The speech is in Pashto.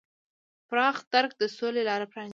پراخ درک د سولې لاره پرانیزي.